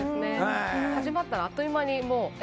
始まったら、あっという間に、え？